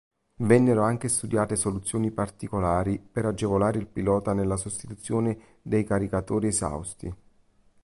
Vennero anche studiate soluzioni particolari per agevolare il pilota nella sostituzione dei caricatori esausti.